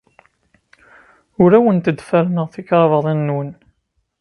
Ur awent-d-ferrneɣ tikrabaḍin-nwen.